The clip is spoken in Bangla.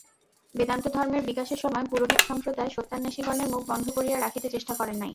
বেদান্তধর্মের বিকাশের সময় পুরোহিত-সম্প্রদায় সত্যান্বেষিগণের মুখ বন্ধ করিয়া রাখিতে চেষ্টা করেন নাই।